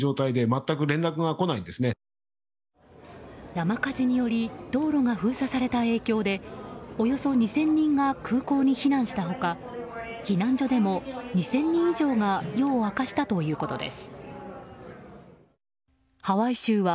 山火事により道路が封鎖された影響でおよそ２０００人が空港に避難した他避難所でも、２０００人以上が夜を明かしたということです。